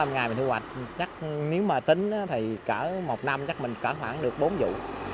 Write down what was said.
một mươi ngày mình thu hoạch chắc nếu mà tính thì cỡ một năm chắc mình cỡ khoảng được bốn vụ